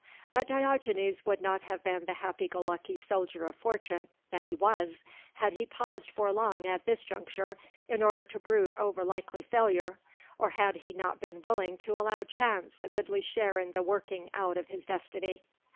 But Diogenes would not have been the happy go lucky soldier of fortune that he was, had he paused for long at this juncture in order to brood over likely failure, or had he not been willing to allow Chance a goodly share in the working out of his destiny.